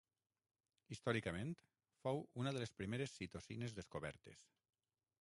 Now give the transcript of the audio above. Històricament, fou una de les primeres citocines descobertes.